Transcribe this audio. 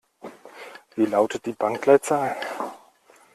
Wie lautet die Bankleitzahl?